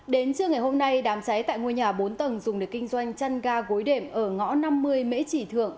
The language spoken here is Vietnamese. đến trưa ngày hôm nay đám cháy tại ngôi nhà bốn tầng dùng để kinh doanh chân ga gối đệm ở ngõ năm mươi mễ trì thượng